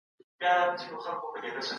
دا له پېښو سره دروغجن تعامل دی.